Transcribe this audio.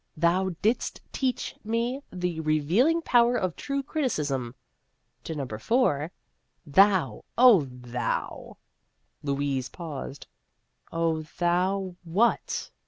Thou didst teach me the re vealing power of true criticism.' To number four, ' Thou O thou '" Louise paused. "O thou what?"